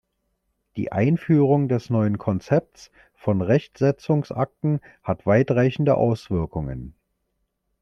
Die Einführung des neuen Konzepts von Rechtsetzungsakten hat weitreichende Auswirkungen.